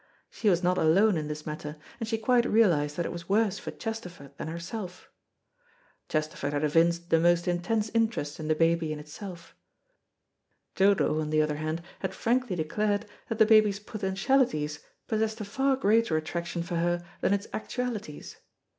She was not alone in this matter, and she quite realised that it was worse for Chesterford than herself. Chesterford had evinced the most intense interest in the baby in itself. Dodo, on the other hand, had frankly declared that the baby's potentialities possessed a far greater attraction, for her than its actualities.